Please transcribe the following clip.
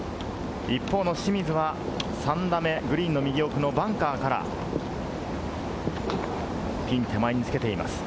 一方の清水は３打目グリーンの右奥のバンカーからピン手前につけています。